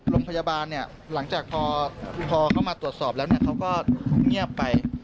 โรงพยาบาลเนี่ยหลังจากพอเข้ามาตรวจสอบแล้วเขาก็เงียบไป